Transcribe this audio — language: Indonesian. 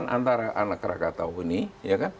antara anak krakatau ini